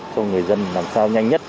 cho người dân làm sao nhanh nhất